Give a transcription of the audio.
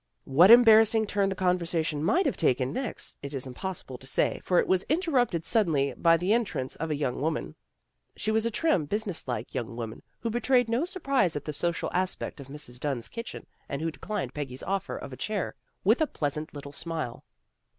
What embarrassing turn the conversation might have taken next it is impossible to say for it was interrupted suddenly by the entrance of a young woman. She was a trim and busi ness like young woman who betrayed no sur AT HOME WITH THE DUNNS 127 prise at the social aspect of Mrs. Dunn's kitchen, and who declined Peggy's offer of a chair, with a pleasant little smile.